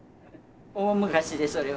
大昔ですそれは。